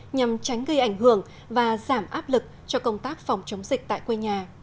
nhằm tránh gây ảnh hưởng và giảm áp lực cho công tác phòng chống dịch tại quê nhà